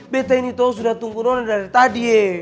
bete ini toh sudah tunggu nona dari tadi ee